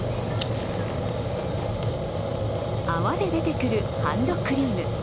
泡で出てくるハンドクリーム。